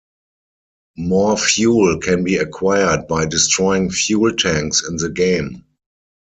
More fuel can be acquired by destroying fuel tanks in the game.